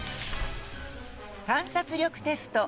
観察力テスト